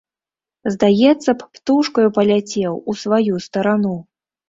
Здаецца б, птушкаю паляцеў у сваю старану.